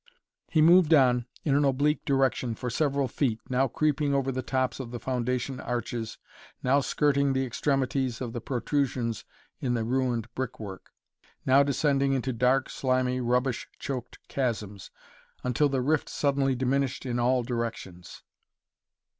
He moved on in an oblique direction for several feet, now creeping over the tops of the foundation arches, now skirting the extremities of the protrusions in the ruined brickwork, now descending into dark, slimy, rubbish choked chasms, until the rift suddenly diminished in all directions.